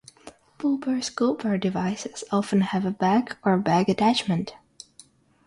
Pooper-scooper devices often have a bag or bag attachment.